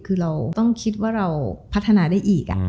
คือเราต้องคิดว่าเราพัฒนาได้อีก